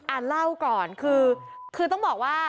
อ่าเล่าก่อนคือต้องบอกว่า